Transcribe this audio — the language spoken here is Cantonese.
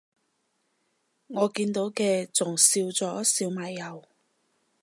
我見到嘅仲係笑咗笑埋右